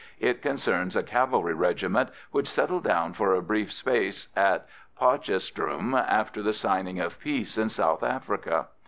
It concerns a cavalry regiment which settled down for a brief space at Potchefstroom after the signing of peace in South Africa.